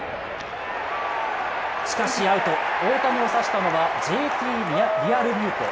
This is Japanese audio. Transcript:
しかしアウト、大谷を刺したのはＪ．Ｔ．リアルミュート。